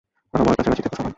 আমার কাছাকাছি থেকো সবাই।